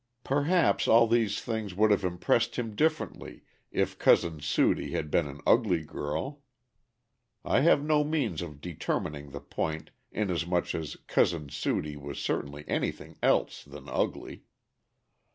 Perhaps all these things would have impressed him differently if "Cousin Sudie" had been an ugly girl. I have no means of determining the point, inasmuch as "Cousin Sudie" was certainly anything else than ugly.